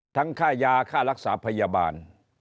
ค่ายาค่ารักษาพยาบาล